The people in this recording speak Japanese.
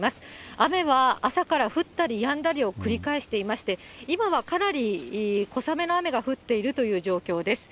雨は朝から降ったりやんだりを繰り返していまして、今はかなり小雨の雨が降っているという状況です。